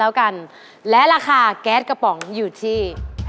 แล้วกันและราคาแก๊สกระป๋องอยู่ที่